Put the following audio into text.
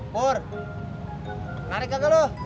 pur menarik gak ke lu